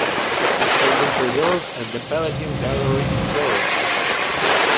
It has been preserved at the Palatine Gallery in Florence.